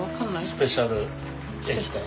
スペシャル液体。